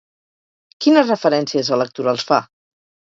Quines referències electorals fa?